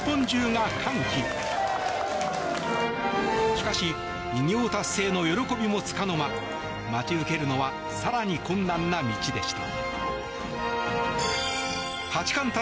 しかし偉業達成の喜びもつかの間待ち受けるのは更に困難な道でした。